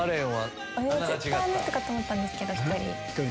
絶対あの人かと思ったんですけど、１人。